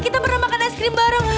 kita pernah makan es krim bareng